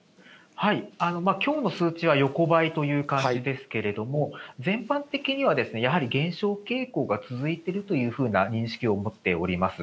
きょうの数値は横ばいという感じですけれども、全般的にはやはり減少傾向が続いているというふうな認識を持っております。